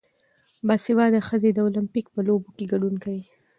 باسواده ښځې د اولمپیک په لوبو کې ګډون کوي.